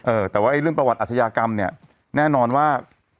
เออแต่ว่าไอ้เรื่องประวัติอาชญากรรมเนี่ยแน่นอนว่า